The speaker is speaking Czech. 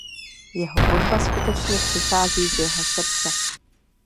Jeho hudba skutečně přichází z jeho srdce.